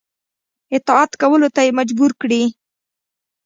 اطاعت کولو ته یې مجبور کړي.